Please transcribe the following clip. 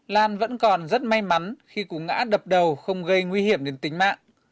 lan vẫn còn rất may mắn khi cúng ngã đập đầu không gây nguy hiểm đến tính mạng